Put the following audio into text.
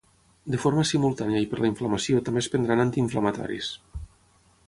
De forma simultània i per la inflamació també es prendran antiinflamatoris.